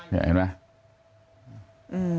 เห็นไหม